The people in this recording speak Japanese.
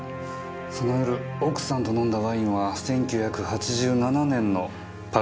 その夜奥さんと飲んだワインは１９８７年の「パルトネール」だったんですね？